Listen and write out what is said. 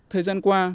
thời gian qua